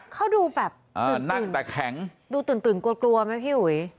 เขาดูแบบตื่นดูตื่นกลัวไหมพี่หุย